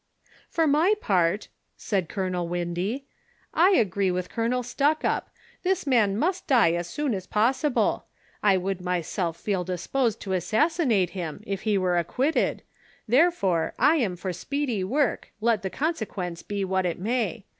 "For my part," said Colonel "Windy, "I agree with Colonel Stuckup ; this man must die as soon as possible. I would myself feel disposed to assassinate him if he were acquitted ; therefore, I am for speedy work, let the con sequence be what it may.